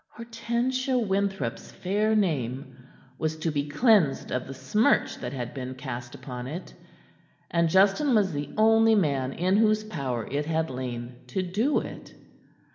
Hortensia Winthrop's fair name was to be cleansed of the smirch that had been cast upon it, and Justin was the only man in whose power it had lain to do it.